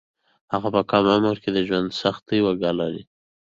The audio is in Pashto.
هغه په کم عمر کې د ژوند سختۍ وګاللې